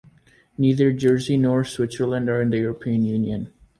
Neither Jersey nor Switzerland are in the European Union.